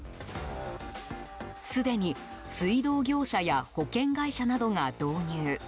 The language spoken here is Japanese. すでに、水道業者や保険会社などが導入。